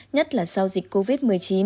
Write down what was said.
nhất là sau dịch covid một mươi chín